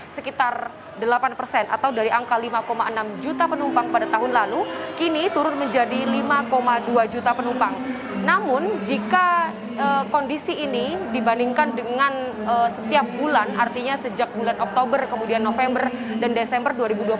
setiap bulan artinya sejak bulan oktober kemudian november dan desember dua ribu dua puluh satu